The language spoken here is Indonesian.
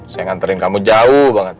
saya nganterin kamu jauh banget